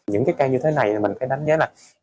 những cái ca như thế này mình phải đánh giá là